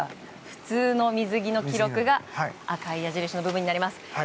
普通の水着の記録が赤い矢印の部分になります。